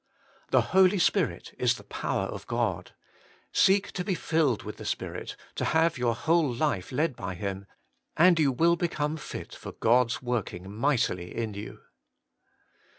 2. The Holy Spirit is the power of God. Seek to be filled with the Spirit, to have your whole life led by Him, and you will become fit for God's working mightily in you.